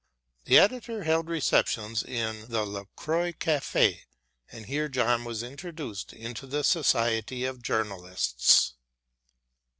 The editor held receptions in the La Croix Café, and here John was introduced into the society of journalists.